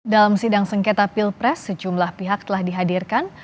dalam sidang sengketa pilpres sejumlah pihak telah dihadirkan